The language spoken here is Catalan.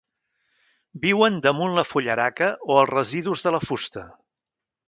Viuen damunt la fullaraca o els residus de la fusta.